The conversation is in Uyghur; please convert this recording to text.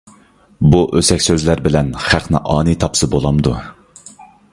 بۇ ئۆسەك سۆزلەر بىلەن خەقنى ئانىي تاپسا بولامدۇ؟